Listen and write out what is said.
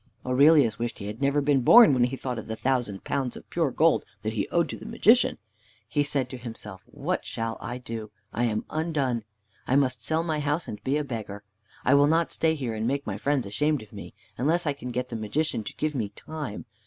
Aurelius wished he had never been born when he thought of the thousand pounds of pure gold that he owed to the Magician. He said to himself, "What shall I do? I am undone! I must sell my house and be a beggar. I will not stay here and make my friends ashamed of me, unless I can get the Magician to give me time.